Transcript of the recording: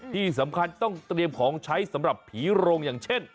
ที่สำคัญต้องเตรียมของใช้สำหรับผีโรงอย่างเช่น